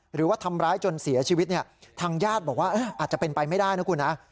หรือว่าทำร้ายจนเสียชีวิตเนี่ยทางญาติบอกว่าอาจจะเป็นไปไม่ได้นะคุณนะ